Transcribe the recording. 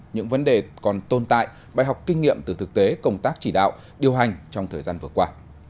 những vấn đề còn tồn tại bài học kinh nghiệm từ thực tế công tác chỉ đạo điều hành trong thời gian vừa qua